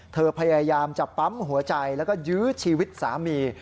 พยายามจะปั๊มหัวใจแล้วก็ยื้อชีวิตสามี